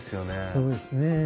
そうですね。